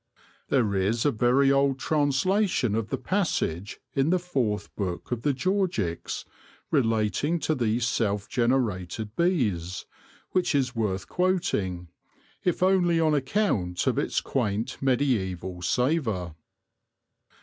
There is a very old translation of the passage in the fourth book of the Georgics re lating to these self generated bees, which is worth quoting, if only on account of its quaint mediaeval savour.